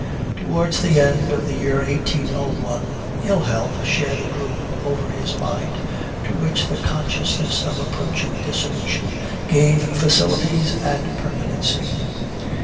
"Towards the end of the year 1801, ill health shed a gloom over his mind, to which the consciousness of approaching dissolution gave facilities and permanency.